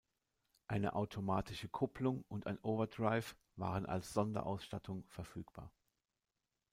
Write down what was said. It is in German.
Eine automatische Kupplung und ein Overdrive waren als Sonderausstattung verfügbar.